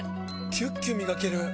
キュッキュ磨ける！